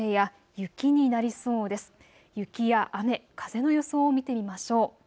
雪や雨、風の予想を見てみましょう。